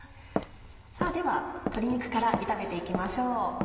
では鶏肉から炒めていきましょう。